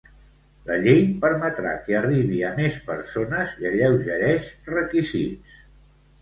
La llei permetrà que arribi a més persones i alleugereix requisits.